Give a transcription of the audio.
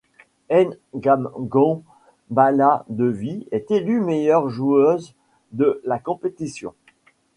Ngangom Bala Devi est élue meilleure joueuse de la compétition.